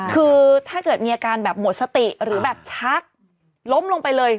คือถ้าเกิดมีอาการแบบหมดสติหรือแบบชักล้มลงไปเลย